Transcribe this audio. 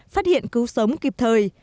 phát hiện cứu sống kịp thời